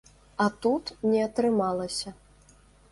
А тут не атрымалася.